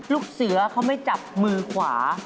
ลูกเสือเขาไม่จับมือขวา